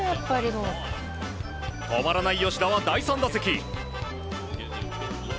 止まらない吉田は第３打席。